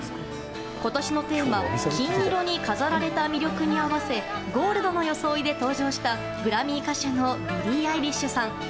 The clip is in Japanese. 今年のテーマ「金色に飾られた魅力」に合わせゴールドの装いで登場したグラミー歌手のビリー・アイリッシュさん。